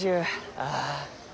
ああ。